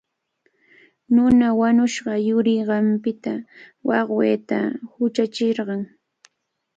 Nuna wañushqa yurinqanpita wawqiita huchachirqan.